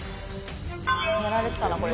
やられてたなこれ。